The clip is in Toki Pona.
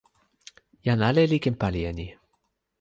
jan ale li ken pali e ni.